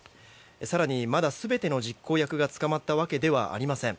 更に、まだ全ての実行役が捕まったわけではありません。